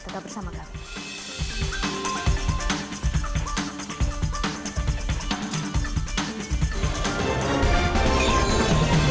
tetap bersama kami